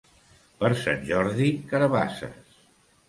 Per Sant Jordi, carabasses.